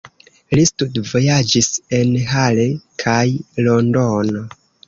Li studvojaĝis en Halle kaj Londono.